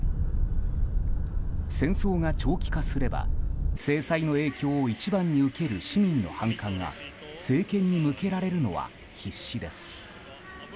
戦争が長期化すれば制裁の影響を一番に受ける市民の反感が政権に向けられるのは必至です。